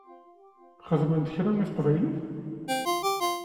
Xedment kra i teqbaylit?